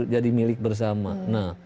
jadi milik bersama nah